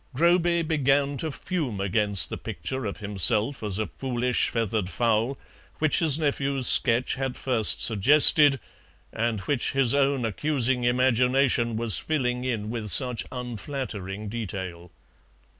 Groby began to fume against the picture of himself as a foolish feathered fowl which his nephew's sketch had first suggested, and which his own accusing imagination was filling in with such unflattering detail.